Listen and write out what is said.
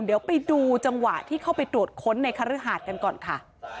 เดี๋ยวไปดูจังหวะที่เข้าไปตรวจค้นในคฤหาดกันก่อนค่ะ